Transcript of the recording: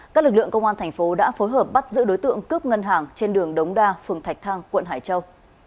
các lực lượng công an thành phố đã phối hợp bắt giữ đối tượng cướp ngân hàng trên đường đống đa phường thạch thang quận hải châu